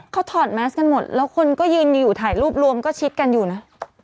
เขาถอดแมสกันหมดแล้วคนก็ยืนอยู่ถ่ายรูปรวมก็ชิดกันอยู่นะ